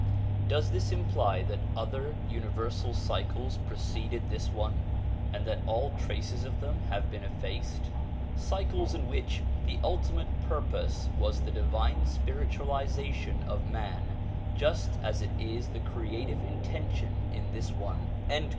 ' Does this imply that other universal cycles preceded this one and that all traces of them have been effaced; cycles in which the ultimate purpose was the divine spiritualization of man just as it is the creative intention in this one?"